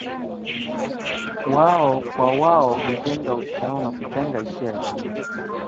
wao kwa wao, kujenga uhusiano, na kujenga hisia ya jamii